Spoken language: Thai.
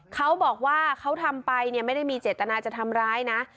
เขาบอกว่าเขาทำไปเนี่ยไม่ได้มีเจตนาจะทำร้ายนะ